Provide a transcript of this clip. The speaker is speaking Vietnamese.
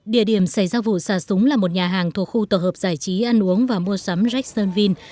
địa điểm xảy ra vụ xả súng là một nhà hàng thuộc khu tổ hợp giải trí ăn uống và mua sắm jackson vine